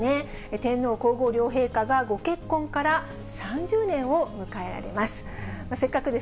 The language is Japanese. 天皇皇后両陛下がご結婚から３０年を迎えられます。